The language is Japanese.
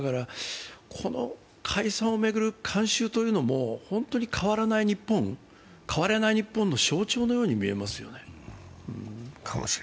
この解散を巡る慣習というのも、本当に変わらない日本、変われない日本の象徴のように見えますよね。